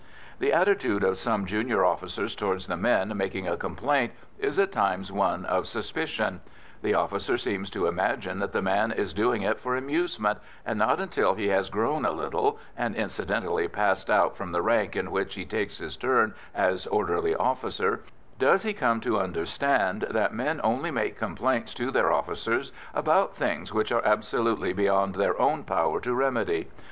The attitude of some junior officers towards the men making a complaint is at times one of suspicion; the officer seems to imagine that the man is doing it for amusement, and not until he has grown a little, and incidentally passed out from the rank in which he takes his turn as orderly officer, does he come to understand that men only make complaints to their officers about things which are absolutely beyond their own power to remedy.